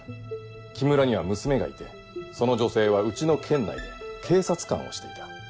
木村には娘がいてその女性はうちの県内で警察官をしていた。